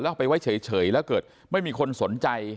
เอาไปไว้เฉยแล้วเกิดไม่มีคนสนใจ